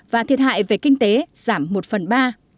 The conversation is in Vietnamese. và thiệt hại về kinh tế giảm một phần ba